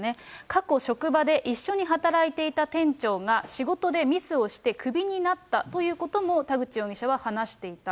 過去、職場で一緒に働いていた店長が仕事でミスをして首になったということも田口容疑者は話していた。